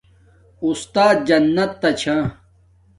اُستات جنت تاچھا